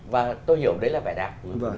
và tôi hiểu đấy là vẻ đẹp